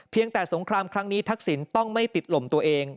แต่สงครามครั้งนี้ทักษิณต้องไม่ติดลมตัวเอง